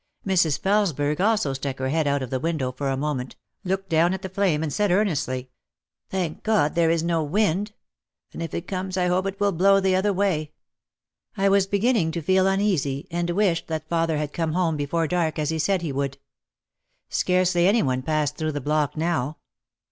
Mrs. Felesberg also stuck her head out of the window for a moment, looked down at the flame and said ear nestly: "Thank God, there is no wind. And if it comes I hope it will blow the other way." I was beginning to feel uneasy and wished that father had come home before dark, as he said he would. Scarcely any one passed through the block now.